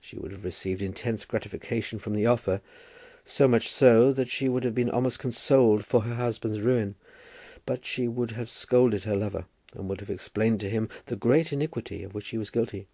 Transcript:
She would have received intense gratification from the offer, so much so that she would have been almost consoled for her husband's ruin; but she would have scolded her lover, and would have explained to him the great iniquity of which he was guilty.